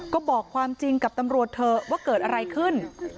ก็บอกความจริงกับตำรวจเถอะว่าเกิดอะไรขึ้น